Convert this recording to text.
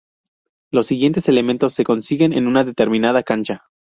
Los siguientes elementos se consiguen en una determinada cancha.